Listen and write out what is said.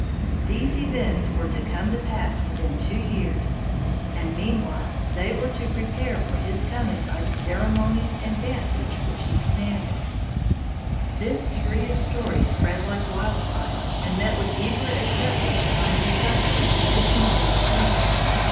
These events were to come to pass within two years; and meanwhile they were to prepare for his coming by the ceremonies and dances which he commanded. This curious story spread like wildfire and met with eager acceptance among the suffering and discontented people.